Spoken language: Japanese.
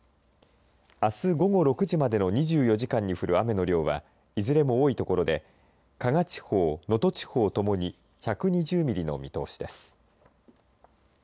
あす午後６時までの２４時間に降る雨の量はいずれも多い所で加賀地方、能登地方ともに１２０ミリの見通しです。